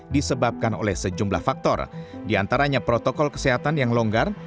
disebabkan oleh sejumlah faktor diantaranya protokol kesehatan yang longgar